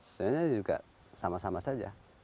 sebenarnya juga sama sama saja